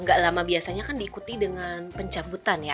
gak lama biasanya kan diikuti dengan pencabutan ya